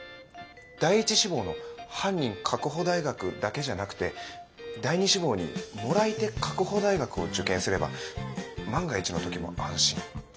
第一志望の「犯人確保大学」だけじゃなくて第二志望に「貰い手確保大学」を受験すれば万が一の時も安心。